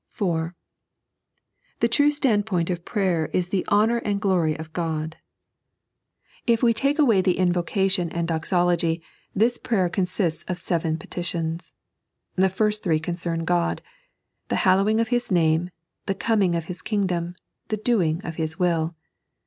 (4) The true sfmu^Kint of prayer is the honour and glory of God. If we take away the invocation and doxology, this prayer consists of seven petitions. The first three concern God — the hallowing of ^His Name ; the coming of His Eingdom ; the doing of His will.